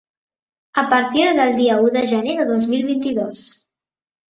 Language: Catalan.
A partir del dia u de gener de dos mil vint-i-dos.